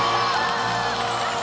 やった！